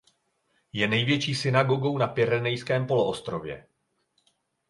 Je největší synagogou na Pyrenejském poloostrově.